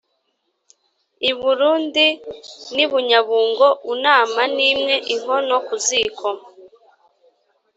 I Burundi n'i Bunyabungo unama ni imwe-Inkono ku ziko.